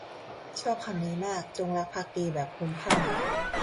ชอบคำนี้มาก “จงรักภักดีแบบคลุ้มคลั่ง”